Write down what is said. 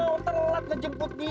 gue kagak mau terlelat ngejemput dia